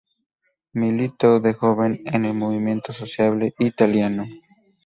Militó de joven en el Movimento Sociale Italiano.